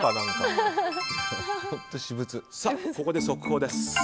ここで速報です。